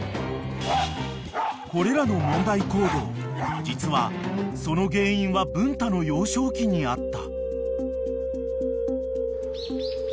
［これらの問題行動実はその原因は文太の幼少期にあった］